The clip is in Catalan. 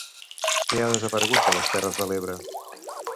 Què ha desaparegut de les Terres de l'Ebre?